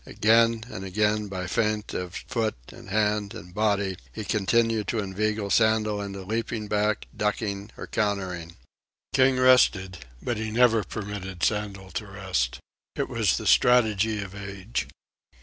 Again and again, by feint of foot and hand and body he continued to inveigle Sandel into leaping back, ducking, or countering. King rested, but he never permitted Sandel to rest. It was the strategy of Age.